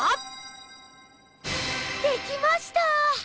できました！